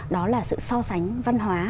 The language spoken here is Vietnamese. đó là sự so sánh văn hóa